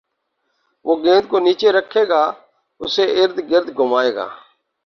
وہ گیند کو نیچے رکھے گا اُسے اردگرد گھمائے گا